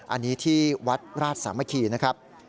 อันนี้ที่วัดราชสามัคคีนะครับ